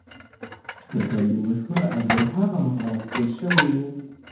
د کعبې مشهور انځور هغه مهال اخیستل شوی و.